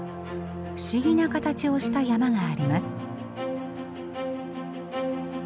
不思議な形をした山があります。